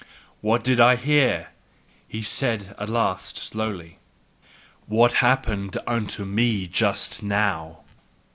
"What did I hear?" said he at last, slowly, "what happened unto me just now?"